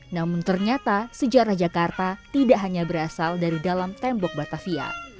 namun ternyata sejarah jakarta tidak hanya berasal dari dalam tembok batavia